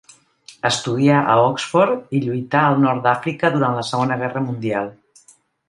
Estudià a Oxford i lluità al Nord d'Àfrica durant la Segona Guerra Mundial.